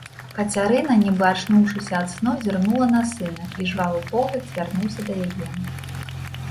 Кацярына, нібы ачнуўшыся ад сну, зірнула на сына, і жвавы погляд звярнуўся да яе.